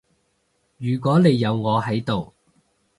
如果你有我喺度